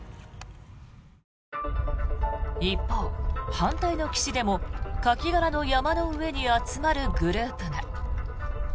一方、反対の岸でもカキ殻の山の上に集まるグループが。